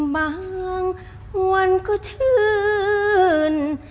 บางวันก็เชิญ